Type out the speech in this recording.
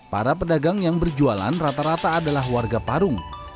para pedagang yang berjualan rata rata adalah warga parung